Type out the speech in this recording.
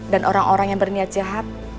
dan orang orang yang berniat jahat